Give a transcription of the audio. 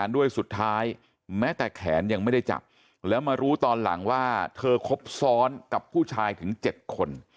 ด้วยสุดท้ายแม้แต่แขนยังไม่ได้จับแล้วมารู้ตอนหลังว่าเธอครบซ้อนกับผู้ชายถึง๗คน